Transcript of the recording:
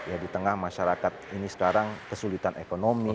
ya di tengah masyarakat ini sekarang kesulitan ekonomi